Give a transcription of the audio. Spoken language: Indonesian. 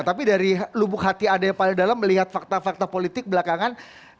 tapi dari lubuk hati anda yang paling dalam melihat fakta fakta politik belakangan